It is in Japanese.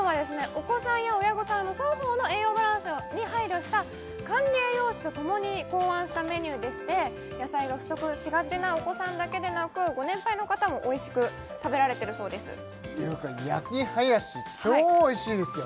お子さんや親御さんの双方の栄養バランスに配慮した管理栄養士とともに考案したメニューでして野菜が不足しがちなお子さんだけでなくご年配の方もおいしく食べられてるそうですていうか焼きハヤシ超おいしいですよ